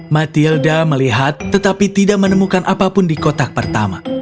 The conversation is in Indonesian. matilda melihat tetapi tidak menemukan apapun di kotak pertama